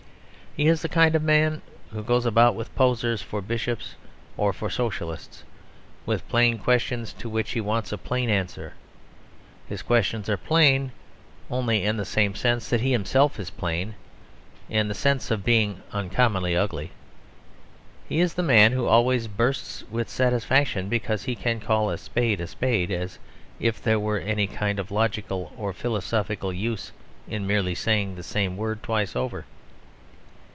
He is the kind of man who goes about with posers for Bishops or for Socialists, with plain questions to which he wants a plain answer. His questions are plain only in the same sense that he himself is plain in the sense of being uncommonly ugly. He is the man who always bursts with satisfaction because he can call a spade a spade, as if there were any kind of logical or philosophical use in merely saying the same word twice over.